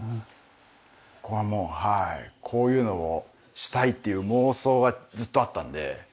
ここはもうこういうのをしたいっていう妄想がずっとあったので。